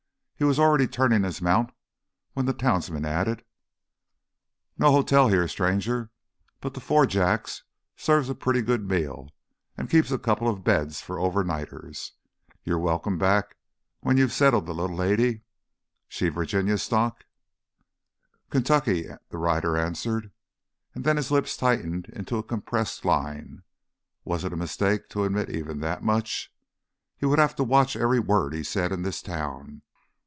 He was already turning his mount when the townsman added: "No hotel here, stranger. But the Four Jacks serves a pretty good meal and keeps a couple of beds for overnighters. You're welcome back when you've settled the little lady. She Virginia stock?" "Kentucky," the rider answered, and then his lips tightened into a compressed line. Was it a mistake to admit even that much? He would have to watch every word he said in this town.